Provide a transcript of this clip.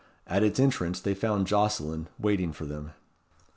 At its entrance they found Jocelyn waiting for them.